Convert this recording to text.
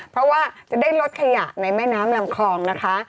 เพราะว่าจะได้ลดขยะในแม่น้ำลำคลองนะคะ